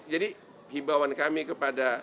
jadi himbauan kami kepada